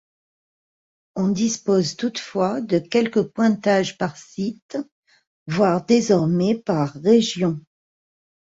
On dispose toutefois de quelques pointages par sites, voire désormais par régions.